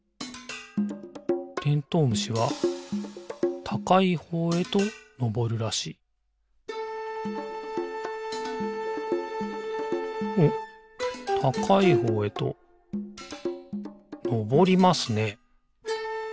虫はたかいほうへとのぼるらしいおったかいほうへとのぼりますね。